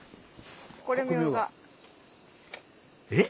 えっ？